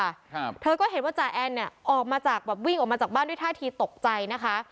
ครับเธอก็เห็นว่าจ่าแอนเนี่ยออกมาจากแบบวิ่งออกมาจากบ้านด้วยท่าทีตกใจนะคะ